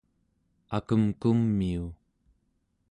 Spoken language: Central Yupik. akemkumiu